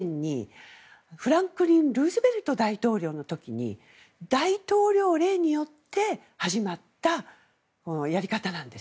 これは、１９４０年にフランクリン・ルーズベルト大統領の時に大統領令によって始まったやり方なんです。